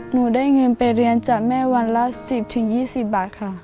หนูได้เงินไปเรียนจากแม่วันละ๑๐๒๐บาทค่ะ